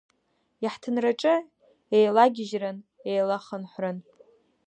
Иаҳҭынраҿы еилагьежьран, еилахынҳәран.